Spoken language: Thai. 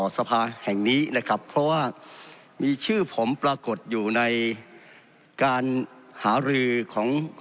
สภาแห่งนี้นะครับเพราะว่ามีชื่อผมปรากฏอยู่ในการหารือของ